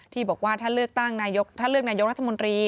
ที่บอกว่าถ้าเลือกตั้งนายโยครัฐมนตรี